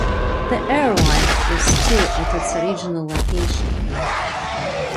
The airline is still at its original location.